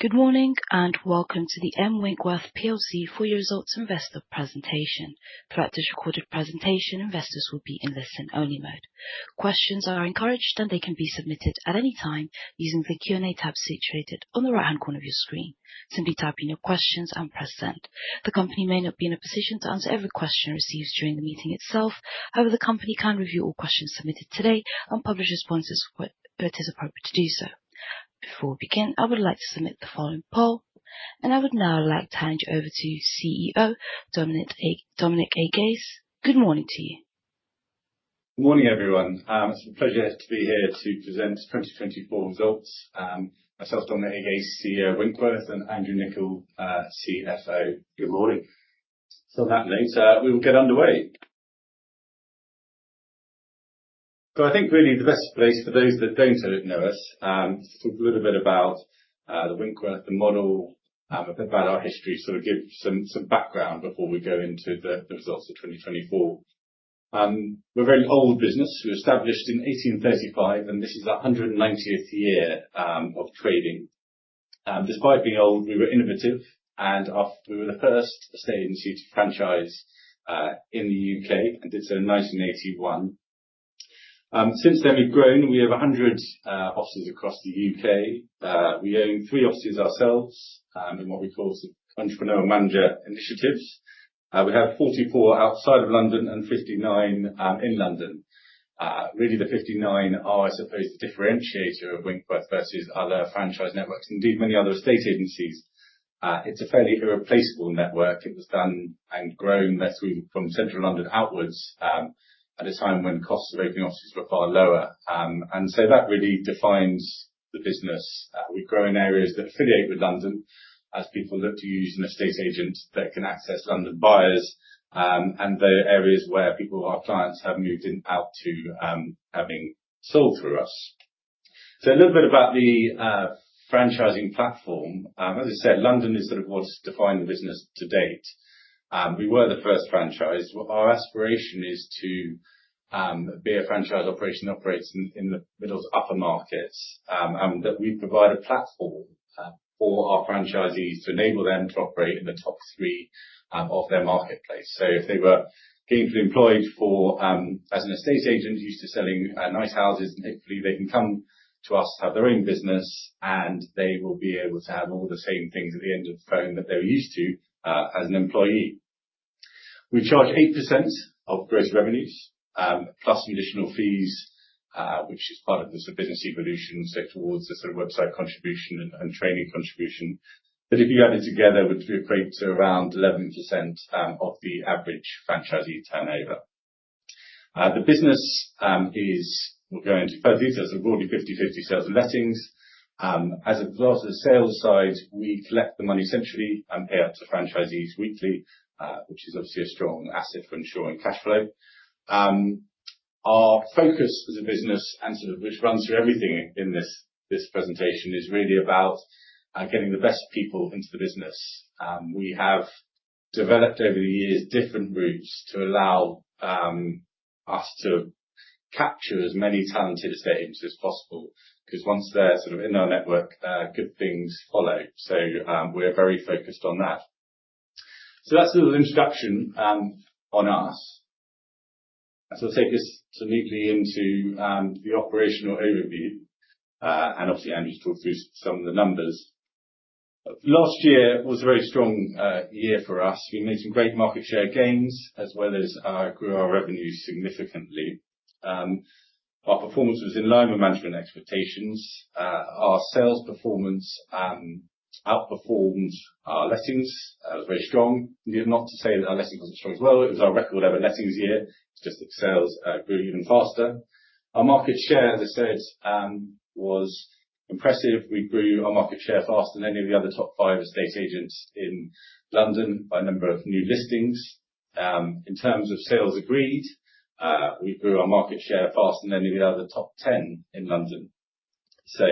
Good morning and welcome to the M Winkworth PLC Four-Year Results Investor presentation. Throughout this recorded presentation, investors will be in listen-only mode. Questions are encouraged, and they can be submitted at any time using the Q&A tab situated on the right-hand corner of your screen. Simply type in your questions and press send. The company may not be in a position to answer every question received during the meeting itself; however, the company can review all questions submitted today and publish responses where it is appropriate to do so. Before we begin, I would like to submit the following poll, and I would now like to hand you over to CEO Dominic Agace. Good morning to you. Good morning, everyone. It's a pleasure to be here to present 2024 results. Myself, Dominic Agace, CEO, Winkworth, and Andrew Nicol, CFO. Good morning. So that means we will get underway. So I think really the best place for those that don't know us is to talk a little bit about the Winkworth, the model, a bit about our history, sort of give some background before we go into the results of 2024. We're a very old business. We were established in 1835, and this is our 190th year of trading. Despite being old, we were innovative, and we were the first estate agency to franchise in the U.K., and did so in 1981. Since then, we've grown. We have 100 offices across the U.K. We own three offices ourselves in what we call entrepreneurial manager initiatives. We have 44 outside of London and 59 in London. Really, the 59 are, I suppose, the differentiator of Winkworth versus other franchise networks, indeed many other estate agencies. It's a fairly irreplaceable network. It was done and grown from central London outwards at a time when costs of opening offices were far lower, and so that really defines the business. We grow in areas that affiliate with London as people look to use an estate agent that can access London buyers and the areas where people, our clients, have moved out to having sold through us. So a little bit about the franchising platform. As I said, London is sort of what has defined the business to date. We were the first franchise. Our aspiration is to be a franchise operation that operates in the middle to upper markets and that we provide a platform for our franchisees to enable them to operate in the top three of their marketplace. So if they were gainfully employed as an estate agent used to selling nice houses, hopefully they can come to us to have their own business, and they will be able to have all the same things at the end of the phone that they were used to as an employee. We charge 8% of gross revenues plus some additional fees, which is part of the business evolution, so towards the sort of website contribution and training contribution. But if you add it together, it would equate to around 11% of the average franchisee turnover. The business is, we'll go into further details, a broadly 50/50 sales and lettings. As a result of the sales side, we collect the money centrally and pay out to franchisees weekly, which is obviously a strong asset for ensuring cash flow. Our focus as a business, and sort of which runs through everything in this presentation, is really about getting the best people into the business. We have developed over the years different routes to allow us to capture as many talented estate agents as possible because once they're sort of in our network, good things follow. So we're very focused on that. So that's a little introduction on us. So I'll take us sort of neatly into the operational overview, and obviously, Andrew's talked through some of the numbers. Last year was a very strong year for us. We made some great market share gains, as well as grew our revenues significantly. Our performance was in line with management expectations. Our sales performance outperformed our lettings. That was very strong. Not to say that our lettings weren't strong as well. It was our record-ever lettings year. It's just that sales grew even faster. Our market share, as I said, was impressive. We grew our market share faster than any of the other top five estate agents in London by a number of new listings. In terms of sales agreed, we grew our market share faster than any of the other top 10 in London. So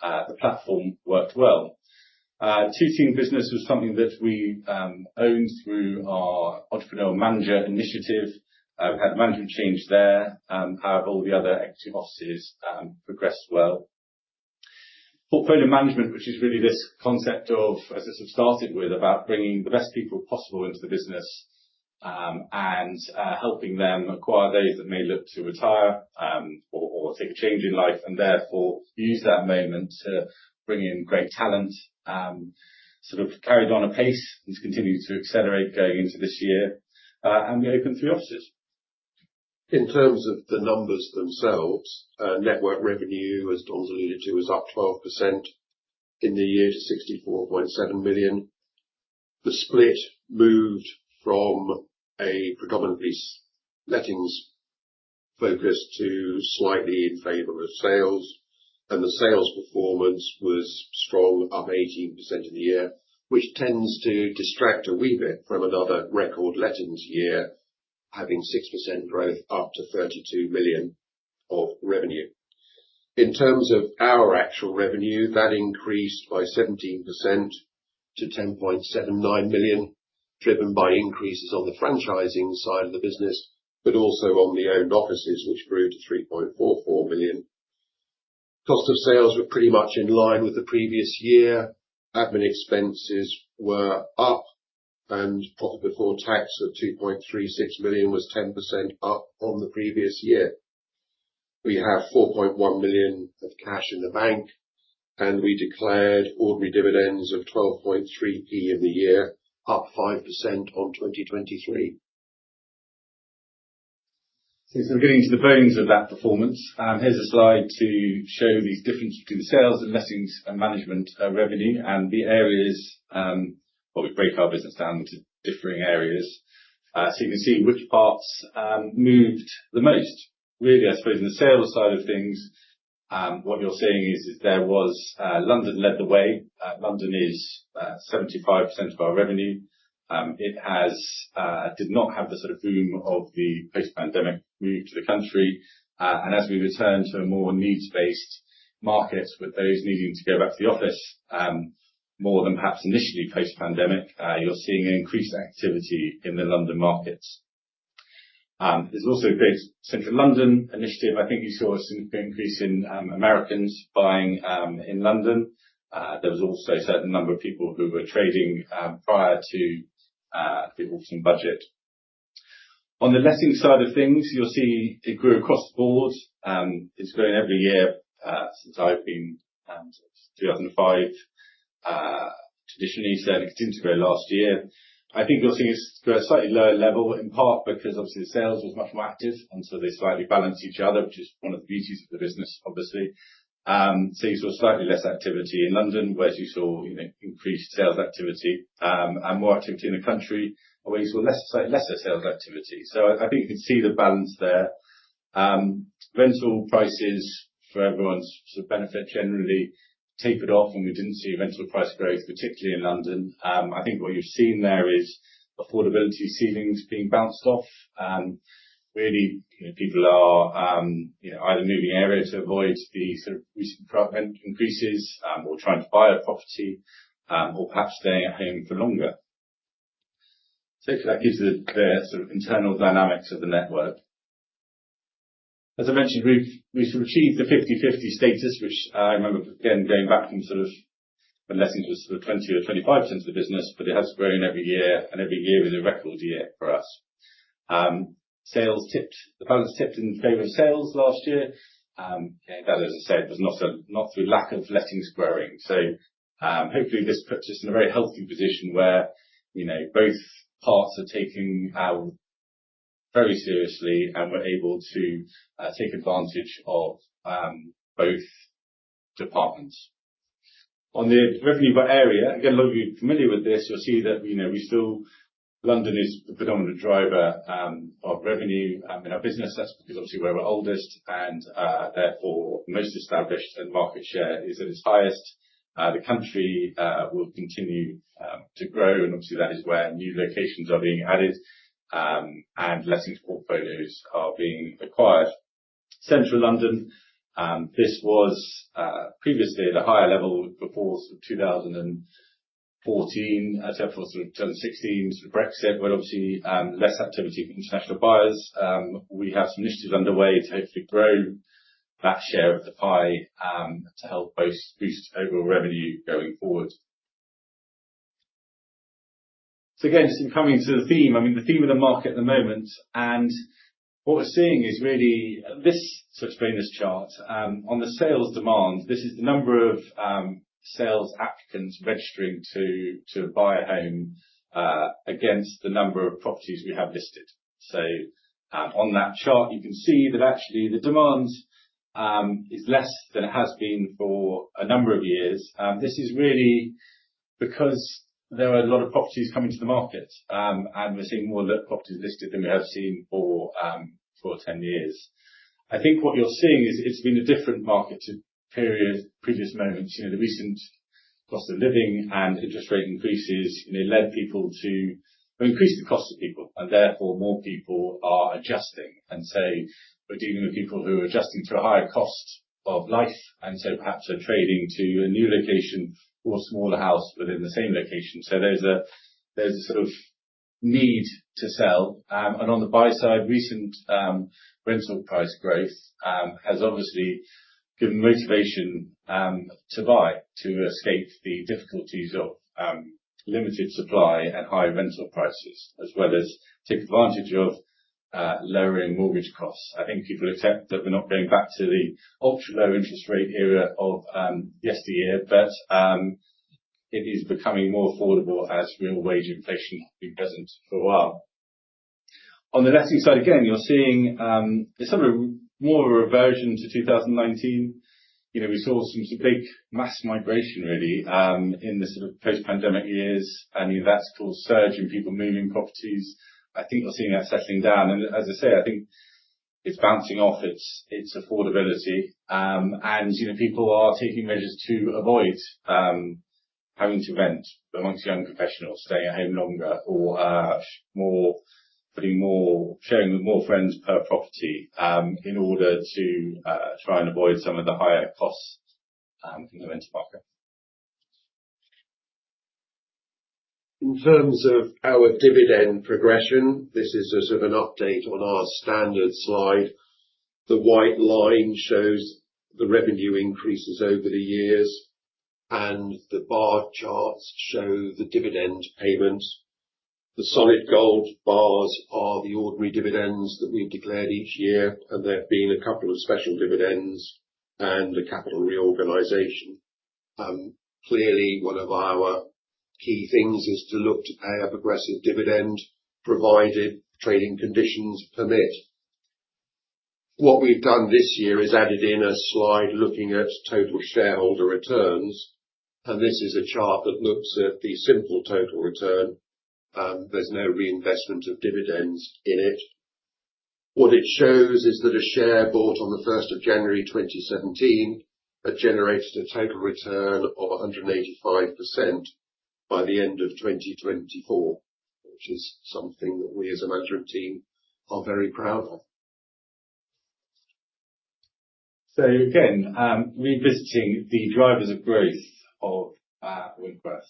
the platform worked well. Tooting business was something that we owned through our entrepreneurial manager initiative. We had management change there. However, all the other executive offices progressed well. Portfolio Management, which is really this concept of, as I sort of started with, about bringing the best people possible into the business and helping them acquire those that may look to retire or take a change in life and therefore use that moment to bring in great talent, sort of carried on a pace and to continue to accelerate going into this year. We opened three offices. In terms of the numbers themselves, network revenue, as Dom's alluded to, was up 12% in the year to 64.7 million. The split moved from a predominantly lettings focus to slightly in favor of sales. The sales performance was strong, up 18% in the year, which tends to distract a wee bit from another record lettings year, having 6% growth up to 32 million of revenue. In terms of our actual revenue, that increased by 17% to 10.79 million, driven by increases on the franchising side of the business, but also on the owned offices, which grew to 3.44 million. Cost of sales were pretty much in line with the previous year. Admin expenses were up, and profit before tax of 2.36 million was 10% up on the previous year. We have 4.1 million of cash in the bank, and we declared ordinary dividends of 12.3p for the year, up 5% on 2023. So we're getting to the bones of that performance. Here's a slide to show these differences between the sales and lettings and management revenue and the areas, well, we break our business down into differing areas. So you can see which parts moved the most. Really, I suppose, in the sales side of things, what you're seeing is there was London led the way. London is 75% of our revenue. It did not have the sort of boom of the post-pandemic move to the country. And as we return to a more needs-based market with those needing to go back to the office more than perhaps initially post-pandemic, you're seeing an increased activity in the London markets. There's also a great central London initiative. I think you saw a significant increase in Americans buying in London. There was also a certain number of people who were trading prior to the autumn budget. On the letting side of things, you'll see it grew across the board. It's grown every year since I've been 2005. Traditionally, certainly continued to grow last year. I think you'll see it's grown at a slightly lower level, in part because obviously the sales was much more active, and so they slightly balanced each other, which is one of the beauties of the business, obviously. So you saw slightly less activity in London, whereas you saw increased sales activity and more activity in the country, where you saw lesser sales activity. So I think you can see the balance there. Rental prices, for everyone's benefit generally, tapered off, and we didn't see rental price growth, particularly in London. I think what you've seen there is affordability ceilings being bounced off. Really, people are either moving area to avoid the sort of recent increases or trying to buy a property or perhaps staying at home for longer. So that gives you the sort of internal dynamics of the network. As I mentioned, we've sort of achieved the 50/50 status, which I remember, again, going back from sort of when lettings was sort of 20% or 25% of the business, but it has grown every year, and every year was a record year for us. The balance tipped in favor of sales last year. That is, as I said, was not through lack of lettings growing. So hopefully this puts us in a very healthy position where both parts are taking our very seriously and we're able to take advantage of both departments. On the revenue area, again, a lot of you are familiar with this. You'll see that we still, London is the predominant driver of revenue in our business. That's because, obviously, where we're oldest and therefore most established, and market share is at its highest. The country will continue to grow, and obviously that is where new locations are being added and lettings portfolios are being acquired. Central London, this was previously at a higher level before 2014, except for sort of 2016, sort of Brexit, where obviously less activity for international buyers. We have some initiatives underway to hopefully grow that share of the pie to help both boost overall revenue going forward. So again, just in coming to the theme, I mean, the theme of the market at the moment, and what we're seeing is really this sort of famous chart on the sales demand. This is the number of sales applicants registering to buy a home against the number of properties we have listed. So on that chart, you can see that actually the demand is less than it has been for a number of years. This is really because there are a lot of properties coming to the market, and we're seeing more properties listed than we have seen for 10 years. I think what you're seeing is it's been a different market to previous moments. The recent cost of living and interest rate increases led people to increase the cost of people, and therefore more people are adjusting, and so we're dealing with people who are adjusting to a higher cost of living, and so perhaps are trading to a new location or a smaller house within the same location, so there's a sort of need to sell, and on the buy side, recent rental price growth has obviously given motivation to buy to escape the difficulties of limited supply and high rental prices, as well as take advantage of lowering mortgage costs. I think people accept that we're not going back to the ultra low interest rate era of yesteryear, but it is becoming more affordable as real wage inflation has been present for a while. On the letting side, again, you're seeing sort of more of a reversion to 2019. We saw some big mass migration, really, in the sort of post-pandemic years, and that's caused surge in people moving properties. I think you're seeing that settling down. And as I say, I think it's bouncing off its affordability, and people are taking measures to avoid having to rent among young professionals, staying at home longer, or sharing with more friends per property in order to try and avoid some of the higher costs in the rental market. In terms of our dividend progression, this is sort of an update on our standard slide. The white line shows the revenue increases over the years, and the bar charts show the dividend payments. The solid gold bars are the ordinary dividends that we've declared each year, and there have been a couple of special dividends and a capital reorganization. Clearly, one of our key things is to look to pay a progressive dividend provided trading conditions permit. What we've done this year is added in a slide looking at total shareholder returns, and this is a chart that looks at the simple total return. There's no reinvestment of dividends in it. What it shows is that a share bought on the 1st of January, 2017, had generated a total return of 185% by the end of 2024, which is something that we as a management team are very proud of. So again, revisiting the drivers of growth of Winkworth.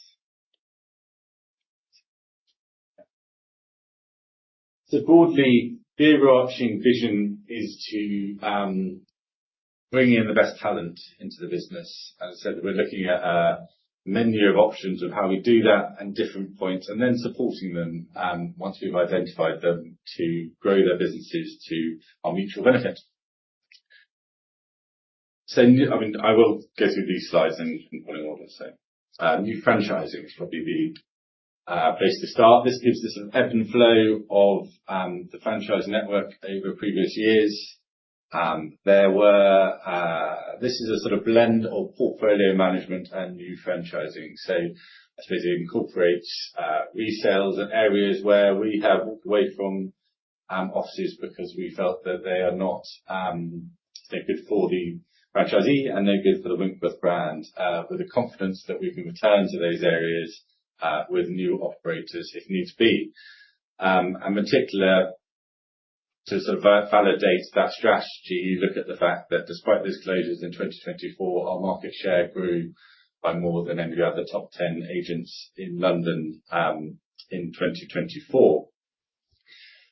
Broadly, the overarching vision is to bring in the best talent into the business. As I said, we're looking at a menu of options of how we do that and different points, and then supporting them once we've identified them to grow their businesses to our mutual benefit. I mean, I will go through these slides and point out what I'm saying. New franchising is probably the place to start. This gives us an ebb and flow of the franchise network over previous years. This is a sort of blend of portfolio management and new franchising. I suppose it incorporates resales and areas where we have walked away from offices because we felt that they are not good for the franchisee and they're good for the Winkworth brand, with the confidence that we can return to those areas with new operators if needs be. In particular, to sort of validate that strategy, you look at the fact that despite those closures in 2024, our market share grew by more than any of the other top 10 agents in London in 2024.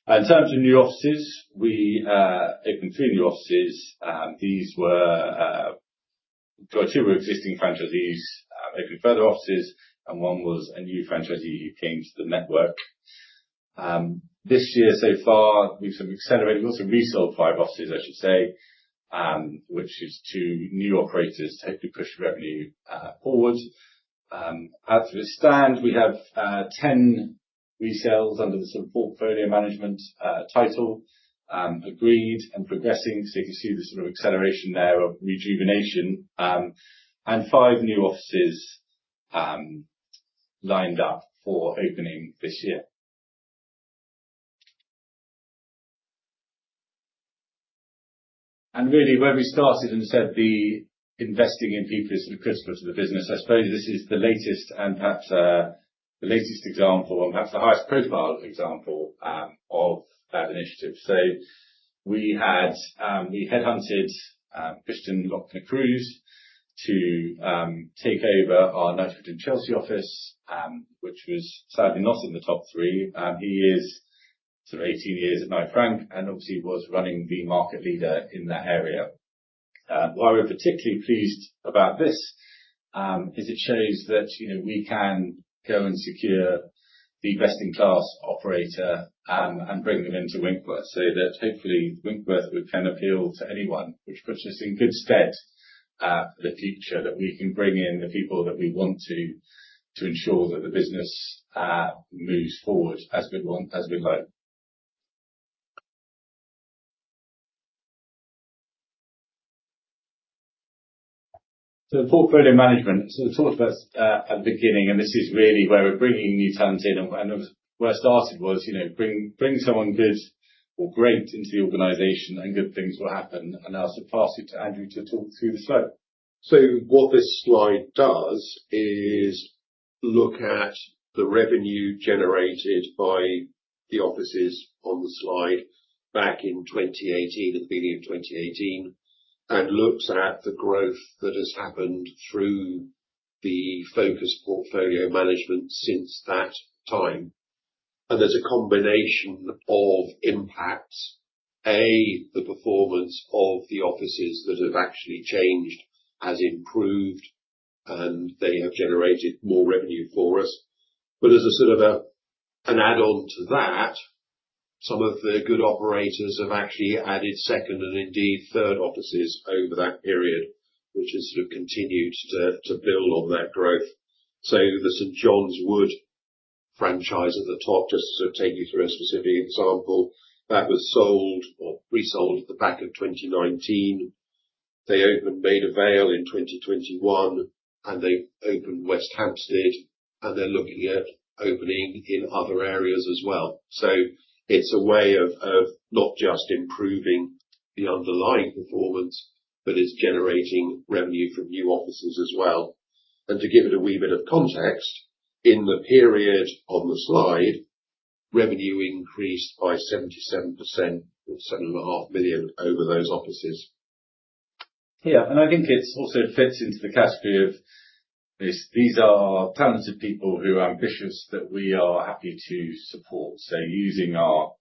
In terms of new offices, we opened three new offices. These were two existing franchisees, opened further offices, and one was a new franchisee who came to the network. This year, so far, we've sort of accelerated, also resold five offices, I should say, which is to new operators to hopefully push revenue forward. As of this stand, we have 10 resales under the sort of portfolio management title, agreed and progressing. You can see the sort of acceleration there of rejuvenation and five new offices lined up for opening this year. Really, where we started and said the investing in people is sort of critical to the business, I suppose this is the latest and perhaps the latest example and perhaps the highest profile example of that initiative. We headhunted Christian Lock-Necrews to take over our Knightsbridge and Chelsea office, which was sadly not in the top three. He is sort of 18 years at Knight Frank and obviously was running the market leader in that area. Why we're particularly pleased about this is it shows that we can go and secure the best-in-class operator and bring them into Winkworth so that hopefully Winkworth can appeal to anyone, which puts us in good stead for the future that we can bring in the people that we want to ensure that the business moves forward as we'd like. Portfolio management, as we talked about at the beginning, and this is really where we're bringing new talent in. Where I started was bring someone good or great into the organization and good things will happen. I'll pass you over to Andrew to talk through the slide. What this slide does is look at the revenue generated by the offices on the slide back in 2018, at the beginning of 2018, and looks at the growth that has happened through the focus portfolio management since that time. There's a combination of impacts. A, the performance of the offices that have actually changed has improved, and they have generated more revenue for us. But as a sort of an add-on to that, some of the good operators have actually added second and indeed third offices over that period, which has sort of continued to build on that growth. So the St John's Wood franchise at the top, just to sort of take you through a specific example, that was sold or resold at the back of 2019. They opened Maida Vale in 2021, and they opened West Hampstead, and they're looking at opening in other areas as well. So it's a way of not just improving the underlying performance, but it's generating revenue from new offices as well. And to give it a wee bit of context, in the period on the slide, revenue increased by 77%, 7.5 million over those offices. Yeah, and I think it also fits into the category of these are talented people who are ambitious that we are happy to support. So using our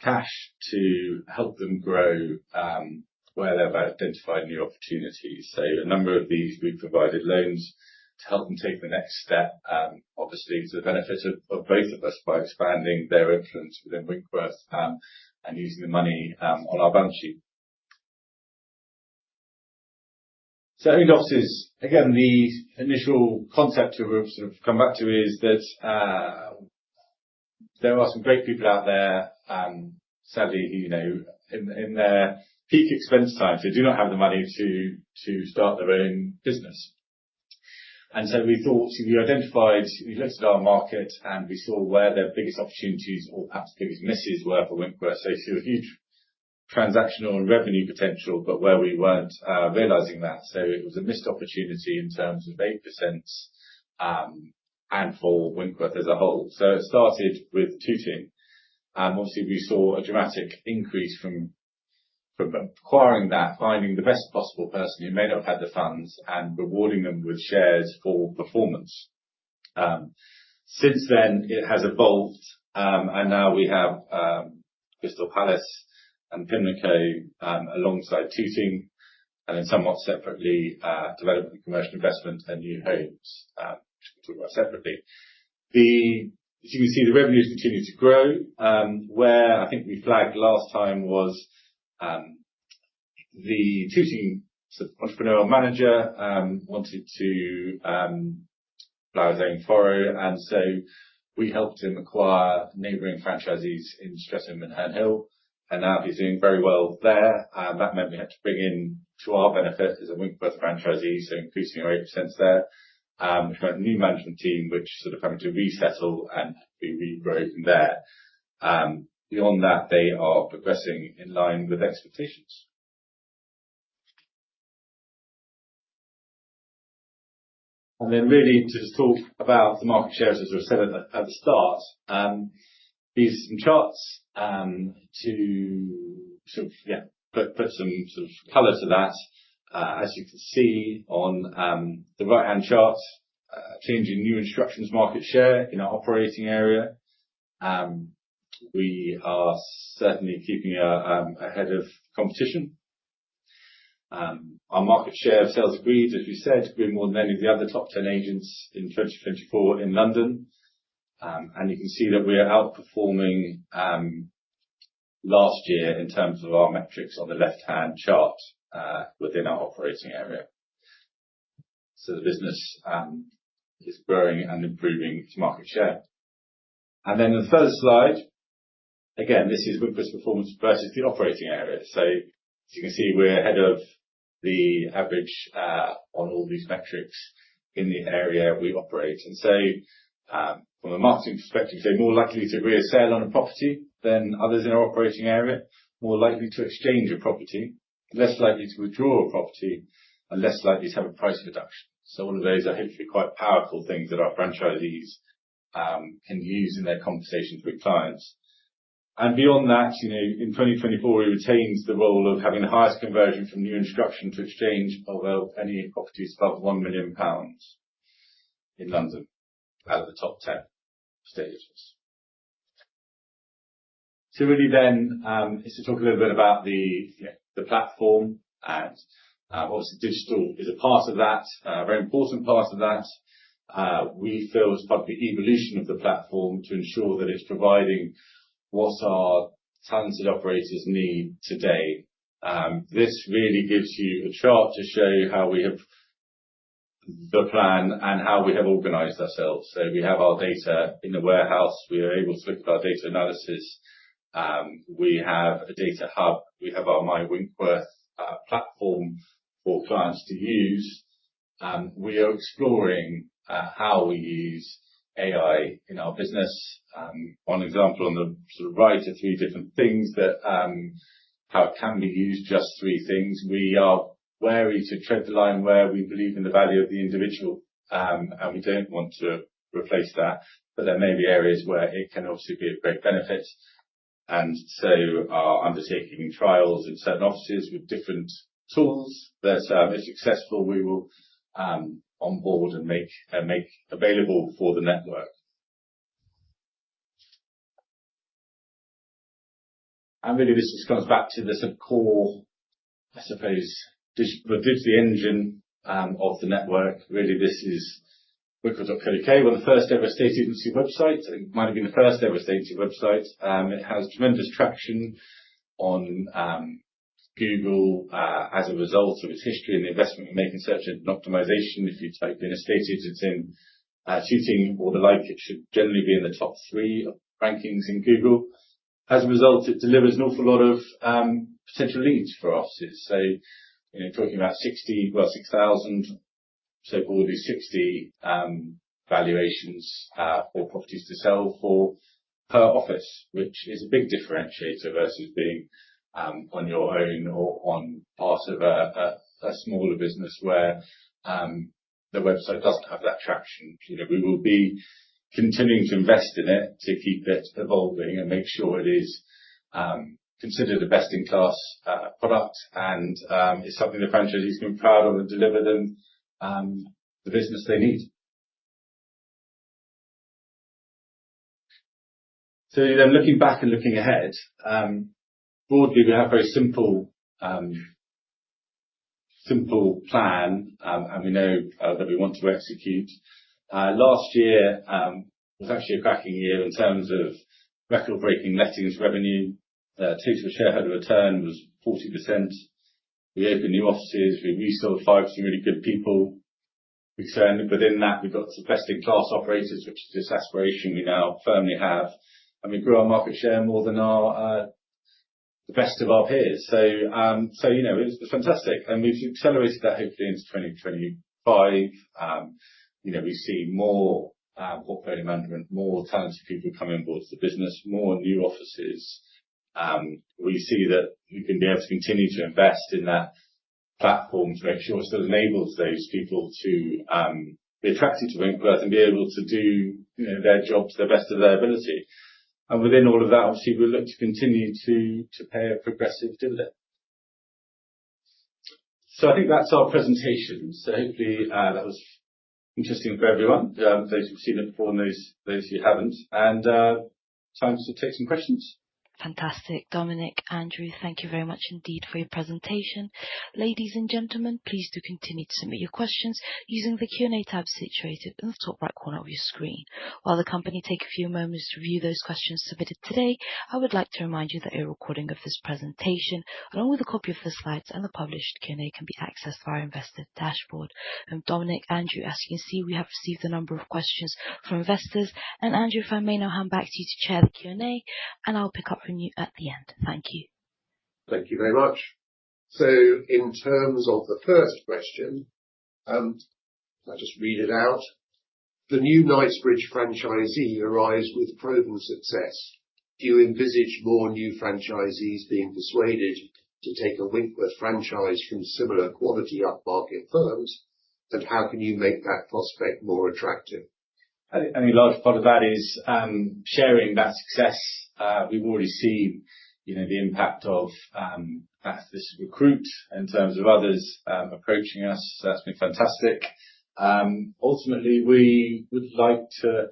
cash to help them grow where they've identified new opportunities. So a number of these, we've provided loans to help them take the next step, obviously to the benefit of both of us by expanding their influence within Winkworth and using the money on our balance sheet. So I think the offices, again, the initial concept to sort of come back to is that there are some great people out there, sadly, in their peak expense time, so do not have the money to start their own business, and so we thought, we identified, we looked at our market, and we saw where their biggest opportunities or perhaps biggest misses were for Winkworth. We saw a huge transactional and revenue potential, but where we weren't realising that. It was a missed opportunity in terms of 8% and for Winkworth as a whole. It started with Tooting. Obviously, we saw a dramatic increase from acquiring that, finding the best possible person who may not have had the funds, and rewarding them with shares for performance. Since then, it has evolved, and now we have Crystal Palace and Pimlico alongside Tooting, and then somewhat separately, development and commercial investment and new homes, which we'll talk about separately. As you can see, the revenues continue to grow. Where I think we flagged last time was the Tooting sort of entrepreneurial manager wanted to buy his own borough, and so we helped him acquire neighbouring franchisees in Streatham and Herne Hill, and now he's doing very well there. That meant we had to bring in, to our benefit as a Winkworth franchisee, so increasing our 8% there, which meant a new management team which sort of had to resettle and be regrowing there. Beyond that, they are progressing in line with expectations. Then really to just talk about the market shares, as I said at the start, these are some charts to sort of, yeah, put some sort of color to that. As you can see on the right-hand chart, changing new instructions market share in our operating area. We are certainly keeping ahead of competition. Our market share of sales agreed, as we said, grew more than any of the other top 10 agents in 2024 in London. You can see that we are outperforming last year in terms of our metrics on the left-hand chart within our operating area. The business is growing and improving its market share. Then the third slide, again, this is Winkworth's performance versus the operating area. As you can see, we're ahead of the average on all these metrics in the area we operate. From a marketing perspective, they're more likely to re-sign on a property than others in our operating area, more likely to exchange a property, less likely to withdraw a property, and less likely to have a price reduction. All of those are hopefully quite powerful things that our franchisees can use in their conversations with clients. Beyond that, in 2024, we retained the role of having the highest conversion from new instruction to exchange of any properties above £1 million in London out of the top 10 agents. So really then, it's to talk a little bit about the platform and obviously digital is a part of that, a very important part of that. We feel it's part of the evolution of the platform to ensure that it's providing what our talented operators need today. This really gives you a chart to show how we have the plan and how we have organized ourselves. So we have our data in the warehouse. We are able to look at our data analysis. We have a data hub. We have our MyWinkworth platform for clients to use. We are exploring how we use AI in our business. One example on the right are three different things that how it can be used, just three things. We are wary to tread the line where we believe in the value of the individual, and we don't want to replace that, but there may be areas where it can obviously be of great benefit and so we are undertaking trials in certain offices with different tools that, if successful, we will onboard and make available for the network, and really, this just comes back to the sort of core, I suppose, the digital engine of the network. Really, this is winkworth.co.uk, one of the first ever estate agency websites. It might have been the first ever estate agency website. It has tremendous traction on Google as a result of its history and the investment in making search and optimization. If you type in an estate agency in Tooting or the like, it should generally be in the top three rankings in Google. As a result, it delivers an awful lot of potential leads for offices. So talking about 60, well, 6,000, so broadly 60 valuations for properties to sell for per office, which is a big differentiator versus being on your own or on part of a smaller business where the website doesn't have that traction. We will be continuing to invest in it to keep it evolving and make sure it is considered a best-in-class product and is something the franchisees can be proud of and deliver them the business they need. So then looking back and looking ahead, broadly, we have a very simple plan, and we know that we want to execute. Last year was actually a cracking year in terms of record-breaking lettings revenue. Total shareholder return was 40%. We opened new offices. We resold five to some really good people. Within that, we got some best-in-class operators, which is just aspiration we now firmly have. And we grew our market share more than the best of our peers. So it was fantastic. And we've accelerated that hopefully into 2025. We see more portfolio management, more talented people coming on board to the business, more new offices. We see that we can be able to continue to invest in that platform to make sure it still enables those people to be attracted to Winkworth and be able to do their jobs to the best of their ability. And within all of that, obviously, we look to continue to pay a progressive dividend. So I think that's our presentation. So hopefully, that was interesting for everyone. Those who've seen it before and those who haven't. And time to take some questions. Fantastic. Dominic, Andrew, thank you very much indeed for your presentation. Ladies and gentlemen, please do continue to submit your questions using the Q&A tab situated in the top right corner of your screen. While the company takes a few moments to review those questions submitted today, I would like to remind you that a recording of this presentation, along with a copy of the slides and the published Q&A, can be accessed via our investor dashboard. And Dominic, Andrew, as you can see, we have received a number of questions from investors. And Andrew, if I may now hand back to you to chair the Q&A, and I'll pick up from you at the end. Thank you. Thank you very much. So in terms of the first question, I'll just read it out. The new Knightsbridge franchisee arrives with proven success. Do you envisage more new franchisees being persuaded to take a Winkworth franchise from similar quality upmarket firms? How can you make that prospect more attractive? I think a large part of that is sharing that success. We've already seen the impact of this recruit in terms of others approaching us. That's been fantastic. Ultimately, we would like to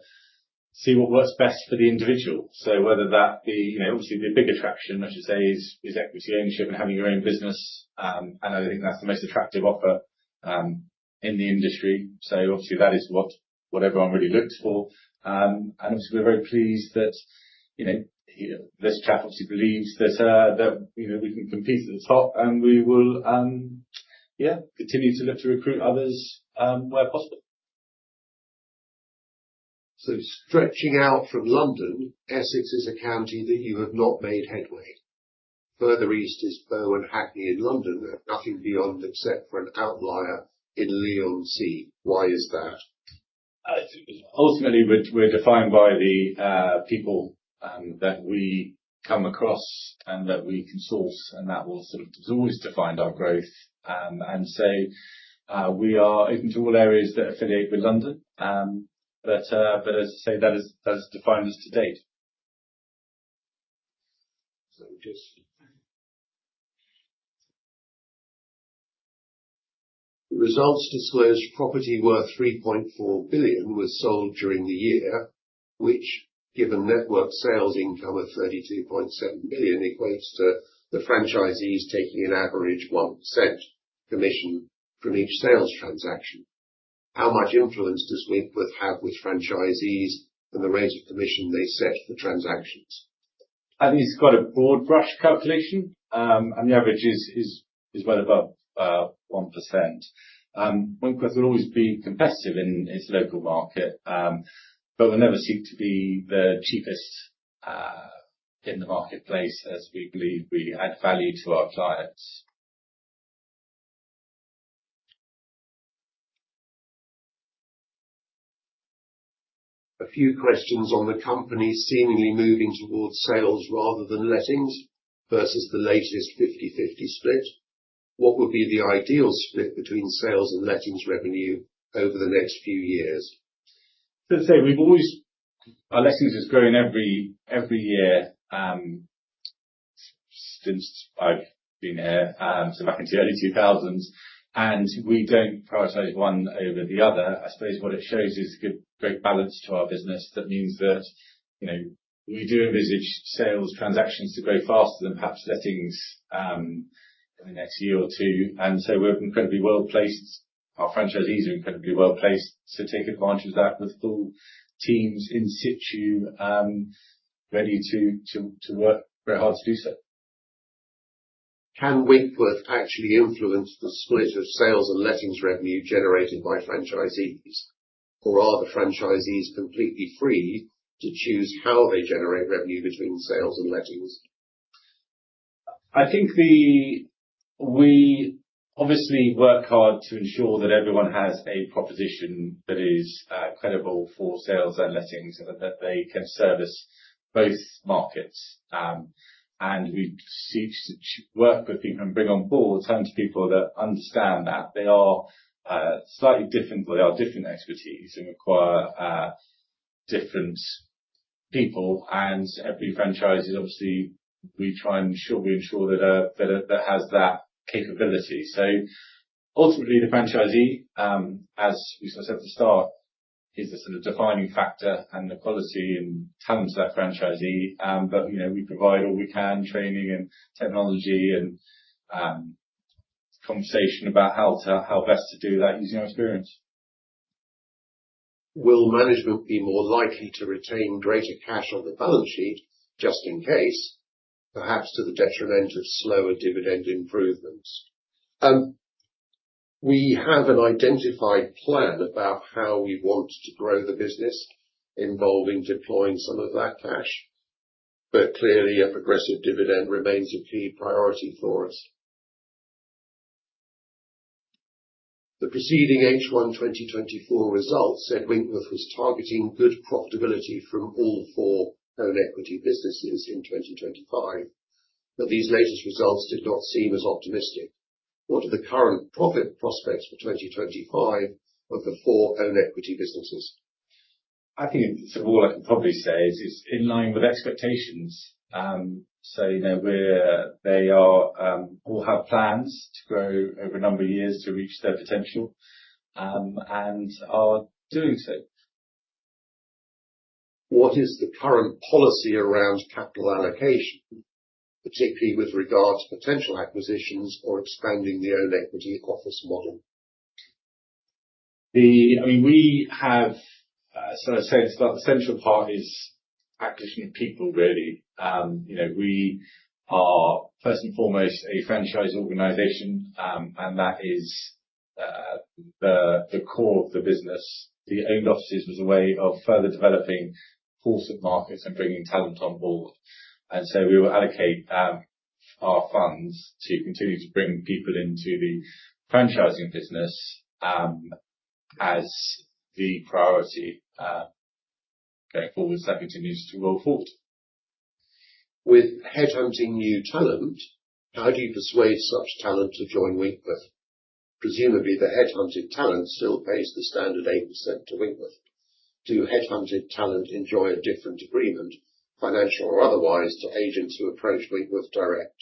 see what works best for the individual. Whether that be, obviously, the big attraction, I should say, is equity ownership and having your own business. I think that's the most attractive offer in the industry. Obviously, that is what everyone really looks for. Obviously, we're very pleased that this chap obviously believes that we can compete at the top, and we will, yeah, continue to look to recruit others where possible. Stretching out from London, Essex is a county that you have not made headway. Further east is Bow and Hackney in London, and nothing beyond except for an outlier in Leigh-on-Sea. Why is that? Ultimately, we're defined by the people that we come across and that we consult, and that will sort of always define our growth. And so we are open to all areas that affiliate with London. But as I say, that has defined us to date. The results display as property worth 3.4 billion was sold during the year, which, given network sales income of 32.7 million, equates to the franchisees taking an average 1% commission from each sales transaction. How much influence does Winkworth have with franchisees and the rate of commission they set for transactions? I think it's quite a broad brush calculation, and the average is well above 1%. Winkworth will always be competitive in its local market, but will never seek to be the cheapest in the marketplace as we believe we add value to our clients. A few questions on the company seemingly moving towards sales rather than lettings versus the latest 50/50 split. What would be the ideal split between sales and lettings revenue over the next few years? So I'd say we've always our lettings is growing every year since I've been here, so back into the early 2000s. And we don't prioritize one over the other. I suppose what it shows is a great balance to our business. That means that we do envisage sales transactions to grow faster than perhaps lettings in the next year or two. And so we're incredibly well placed. Our franchisees are incredibly well placed to take advantage of that with full teams in situ ready to work very hard to do so. Can Winkworth actually influence the split of sales and lettings revenue generated by franchisees? Or are the franchisees completely free to choose how they generate revenue between sales and lettings? I think we obviously work hard to ensure that everyone has a proposition that is credible for sales and lettings and that they can service both markets. And we work with people and bring on board tons of people that understand that. They are slightly different. They are different expertise and require different people. And every franchise is obviously. We try and ensure that it has that capability. So ultimately, the franchisee, as we sort of said at the start, is the sort of defining factor and the quality and talents of that franchisee. But we provide all we can: training and technology and conversation about how best to do that using our experience. Will management be more likely to retain greater cash on the balance sheet just in case, perhaps to the detriment of slower dividend improvements? We have an identified plan about how we want to grow the business, involving deploying some of that cash. But clearly, a progressive dividend remains a key priority for us. The preceding H1 2024 results said Winkworth was targeting good profitability from all four own equity businesses in 2025. But these latest results did not seem as optimistic. What are the current profit prospects for 2025 of the four own equity businesses? I think, sort of all I can probably say is it's in line with expectations. So they all have plans to grow over a number of years to reach their potential and are doing so. What is the current policy around capital allocation, particularly with regard to potential acquisitions or expanding the owned equity office model? I mean, we have, as I said, the central part is acquisition of people, really. We are, first and foremost, a franchise organization, and that is the core of the business. The owned offices was a way of further developing footprint in markets and bringing talent on board. And so we will allocate our funds to continue to bring people into the franchising business as the priority going forward as that continues to roll forward. With headhunting new talent, how do you persuade such talent to join Winkworth? Presumably, the headhunted talent still pays the standard 8% to Winkworth. Do headhunted talent enjoy a different agreement, financial or otherwise, to agents who approach Winkworth direct?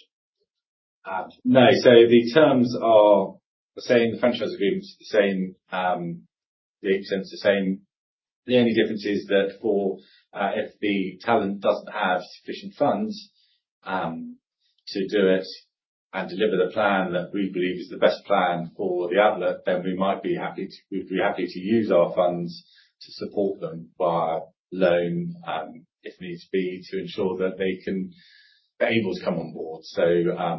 No. So the terms are the same. The franchise agreement is the same. The 8% is the same. The only difference is that if the talent doesn't have sufficient funds to do it and deliver the plan that we believe is the best plan for the outlet, then we might be happy to use our funds to support them via loan, if needs be, to ensure that they're able to come on board. So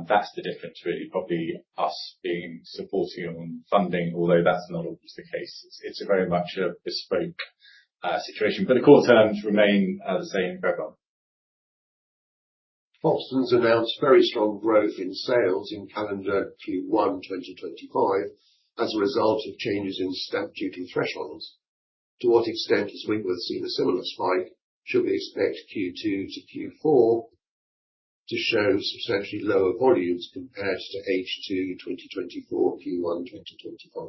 that's the difference, really. Probably us being supporting them on funding, although that's not always the case. It's very much a bespoke situation. But the core terms remain the same for everyone. Foxtons announced very strong growth in sales in calendar Q1 2025 as a result of changes in stamp duty thresholds. To what extent has Winkworth seen a similar spike? Should we expect Q2 to Q4 to show substantially lower volumes compared to H2 2024 Q1 2025?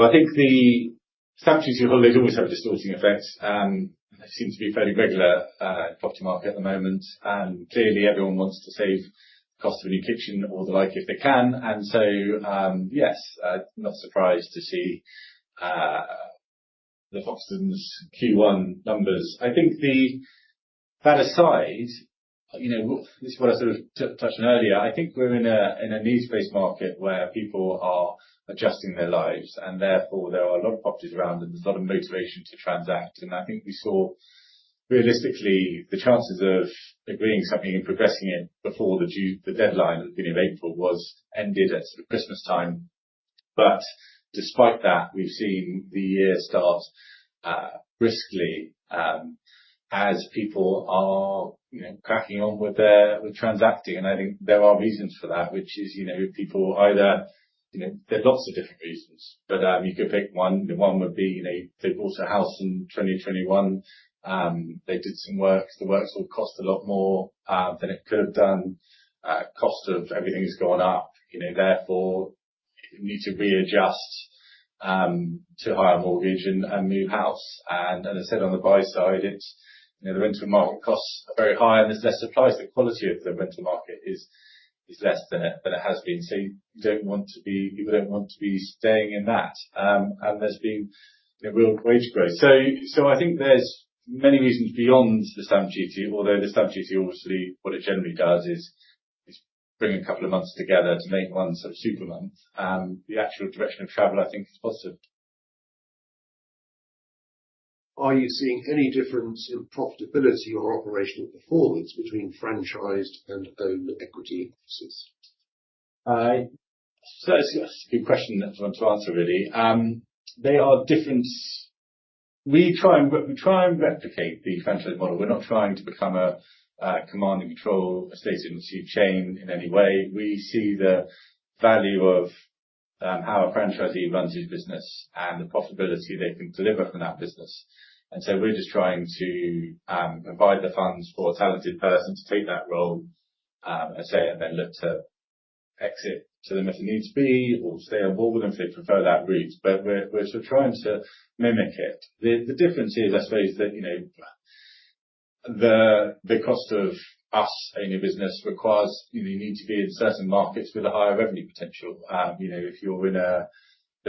I think the Stamp Duty holidays always have a distorting effect. They seem to be fairly regular in the property market at the moment. Clearly, everyone wants to save the cost of a new kitchen or the like if they can. And so, yes, not surprised to see the Foxtons' Q1 numbers. I think that aside, this is what I sort of touched on earlier. I think we're in a needs-based market where people are adjusting their lives. And therefore, there are a lot of properties around, and there's a lot of motivation to transact. And I think we saw, realistically, the chances of agreeing to something and progressing it before the deadline at the beginning of April ended at sort of Christmas time. But despite that, we've seen the year start briskly as people are cracking on with transacting. I think there are reasons for that, which is there are lots of different reasons, but you could pick one. One would be they bought a house in 2021. They did some work. The work sort of cost a lot more than it could have done. Cost of everything has gone up. Therefore, you need to readjust to a higher mortgage and move house. And as I said, on the buy side, the rental market costs are very high, and there's less supply. So the quality of the rental market is less than it has been. So people don't want to be staying in that. And there's been real wage growth. So I think there's many reasons beyond the stamp duty, although the stamp duty, obviously, what it generally does is bring a couple of months together to make one sort of super month. The actual direction of travel, I think, is positive. Are you seeing any difference in profitability or operational performance between franchised and owned equity offices? That's a good question to answer, really. They are different. We try and replicate the franchise model. We're not trying to become a command-and-control estate agency chain in any way. We see the value of how a franchisee runs his business and the profitability they can deliver from that business. And so we're just trying to provide the funds for a talented person to take that role, I say, and then look to exit to them if it needs to be or stay on board. And if they prefer that route, but we're sort of trying to mimic it. The difference is, I suppose, that the cost of us owning a business requires you need to be in certain markets with a higher revenue potential. If you're in a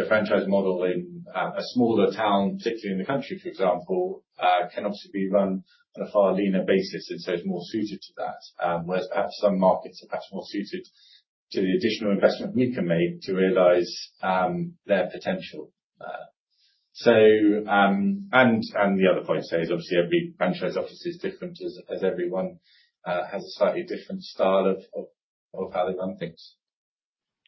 franchise model in a smaller town, particularly in the country, for example, it can obviously be run on a far leaner basis, and so it's more suited to that. Whereas perhaps some markets are perhaps more suited to the additional investment we can make to realize their potential. And the other point I say is, obviously, every franchise office is different as everyone has a slightly different style of how they run things.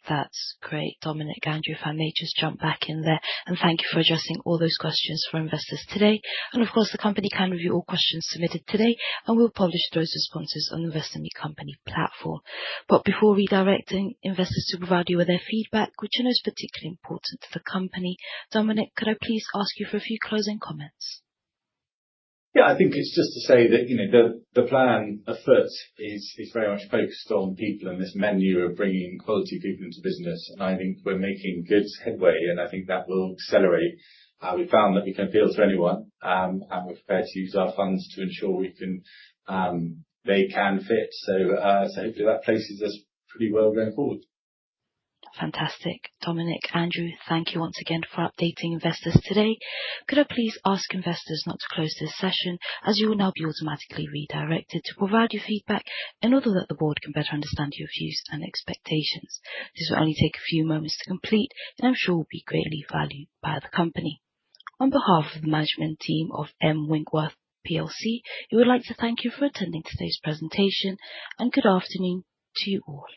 That's great. Dominic Agace, I may just jump back in there. And thank you for addressing all those questions for investors today. Of course, the company can review all questions submitted today, and we'll publish those responses on the InvestorMeet Company platform. But before redirecting investors to provide you with their feedback, which I know is particularly important to the company, Dominic, could I please ask you for a few closing comments? Yeah, I think it's just to say that the plan ahead is very much focused on people and this mantra of bringing quality people into business. I think we're making good headway, and I think that will accelerate. We found that we can appeal to anyone, and we're prepared to use our funds to ensure they can fit. So hopefully, that places us pretty well going forward. Fantastic. Dominic Agace, thank you once again for updating investors today. Could I please ask investors not to close this session, as you will now be automatically redirected to provide your feedback in order that the board can better understand your views and expectations? This will only take a few moments to complete, and I'm sure will be greatly valued by the company. On behalf of the management team of M Winkworth PLC, we would like to thank you for attending today's presentation, and good afternoon to you all.